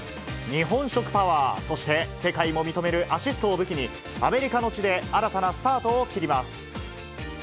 日本食パワー、そして世界も認めるアシストを武器に、アメリカの地で新たなスタートを切ります。